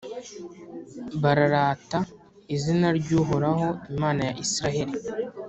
bararata izina ry’Uhoraho, Imana ya Israheli.